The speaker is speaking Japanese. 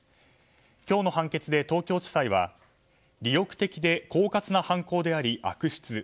今日の判決で、東京地裁は利欲的な狡猾な犯行であり悪質。